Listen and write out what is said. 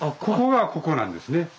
ここがここなんですね。